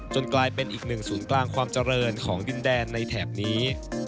กลายเป็นอีกหนึ่งศูนย์กลางความเจริญของดินแดนในแถบนี้